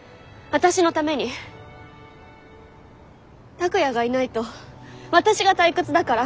拓哉がいないと私が退屈だから。